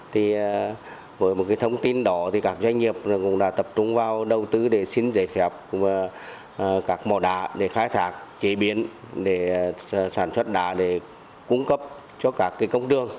thì với một thông tin đó thì các doanh nghiệp cũng đã tập trung vào đầu tư để xin giải phép các mỏ đá để khai thác chế biến sản xuất đá để cung cấp cho các công trương